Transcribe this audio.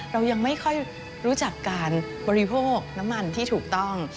เรายังไม่ค่อยรู้จักการบริโภคน้ำมันที่ถูกต้อง